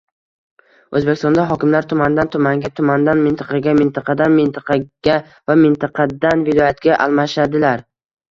O'zbekistonda hokimlar tumandan tumanga, tumandan mintaqaga, mintaqadan mintaqaga va mintaqadan viloyatga almashadilar